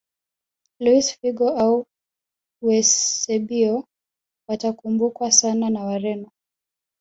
luis figo na eusebio watakumbukwa sana na wareno